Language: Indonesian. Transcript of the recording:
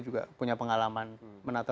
juga punya pengalaman menata